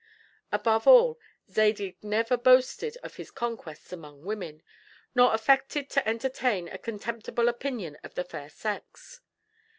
Above all, Zadig never boasted of his conquests among the women, nor affected to entertain a contemptible opinion of the fair sex.